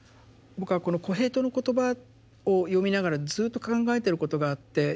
僕はこの「コヘレトの言葉」を読みながらずっと考えてることがあって。